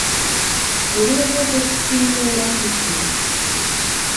Algunhas veces sinto unha gran tristura.